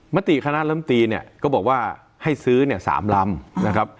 มติคณะลำตีเนี่ยก็บอกว่าให้ซื้อเนี่ย๓ลำนะครับ